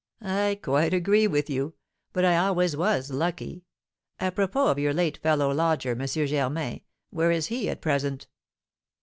"I quite agree with you; but I always was lucky. Apropos of your late fellow lodger, M. Germain, where is he at present?"